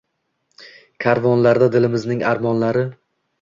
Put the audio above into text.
Karvonlarda dilimizning armonlari.